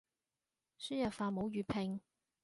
輸入法冇粵拼